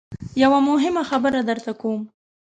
یوه مهمه خبره درته لرم .